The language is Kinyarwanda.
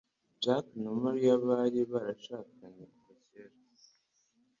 Jack na Mariya bari barashakanye kuva kera